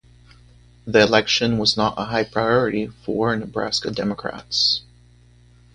The election was not a high priority for Nebraska Democrats.